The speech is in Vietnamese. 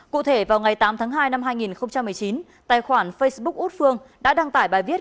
cụ thể vào ngày tám tháng hai năm hai nghìn một mươi chín tài khoản facebook út phương đã đăng tải bài viết